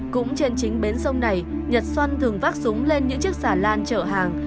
cũng trên chính bến sông này nhật xoăn thường vác súng lên những chiếc xà lan chở hàng